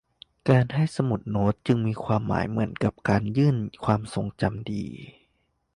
การให้สมุดโน้ตจึงมีความหมายเหมือนกับการหยิบยื่นความทรงจำดี